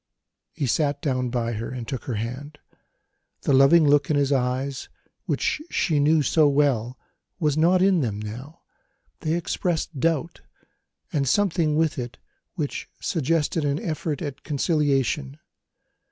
He sat down by her and took her hand. The loving look in his eyes, which she knew so well, was not in them now; they expressed doubt, and something with it which suggested an effort at conciliation.